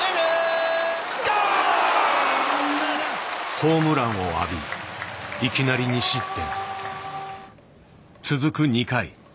ホームランを浴びいきなり２失点。